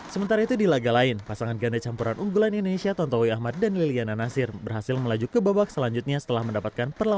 sementara itu di laga lain pasangan ganda campuran unggulan indonesia tontowi ahmad dan liliana nasir berhasil melaju ke babak selanjutnya setelah mendapatkan perlawanan